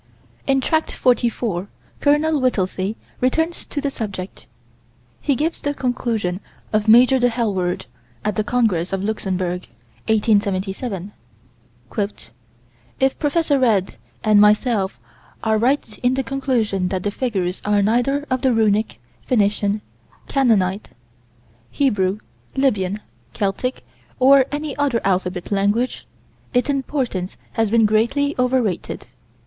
In Tract 44, Col. Whittelsey returns to the subject. He gives the conclusion of Major De Helward, at the Congress of Luxembourg, 1877: "If Prof. Read and myself are right in the conclusion that the figures are neither of the Runic, Phoenician, Canaanite, Hebrew, Lybian, Celtic, or any other alphabet language, its importance has been greatly over rated."